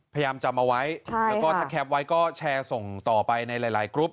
พยายามจำเอาไว้แล้วก็ถ้าแคปไว้ก็แชร์ส่งต่อไปในหลายกรุ๊ป